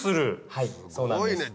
はいそうなんです。